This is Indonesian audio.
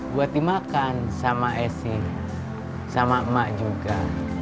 buat dimakan sama esi sama emak juga